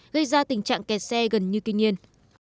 gây ra tình trạng kẹt xe gần như kinh nghiệm